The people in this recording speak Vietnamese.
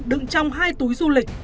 đựng trong hai túi du lịch